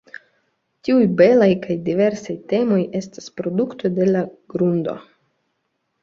Tiuj belaj kaj diversaj temoj estas produkto de la grundo.